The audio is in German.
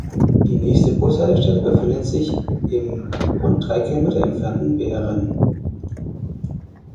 Die nächste Bushaltestelle befindet sich im rund drei Kilometer entfernten Behren.